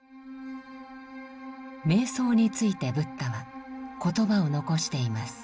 瞑想についてブッダは言葉を残しています。